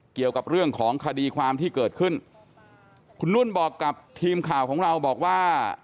เกี่ยวกับเรื่องของคดีความที่เกิดขึ้นคุณนุ่นบอกกับทีมข่าวของเราบอกว่า